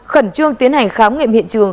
khẩn trương tiến hành khám nghiệm hiện trường